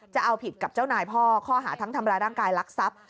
จะเอาผิดกับเจ้านายพ่อข้อหาทั้งทำร้ายร่างกายลักทรัพย์